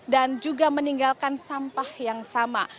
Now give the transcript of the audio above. dan juga meninggalkan sampah yang sama